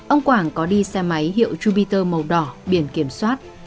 ông quảng có đi xe máy hiệu jupiter màu đỏ biển kiểm soát